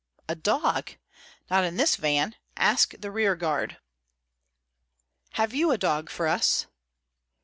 "A dog! Not in this van. Ask the rearguard." "Have you a dog for us?"